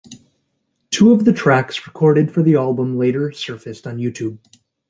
Two of the tracks recorded for the album later surfaced on YouTube.